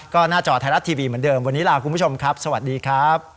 ก็หน้าจอไทยรัฐทีวีเหมือนเดิมวันนี้ลาคุณผู้ชมครับสวัสดีครับ